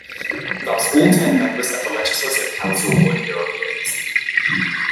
Thus all ten members of the Legislative Council were Europeans.